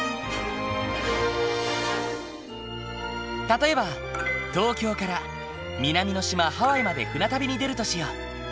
例えば東京から南の島ハワイまで船旅に出るとしよう。